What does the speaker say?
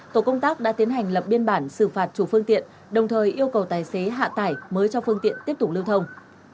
tổ công tác đã tiến hành lập biên bản xử phạt chủ phương tiện đồng thời yêu cầu tài xế hạ tải mới cho phương tiện tiếp tục lưu thông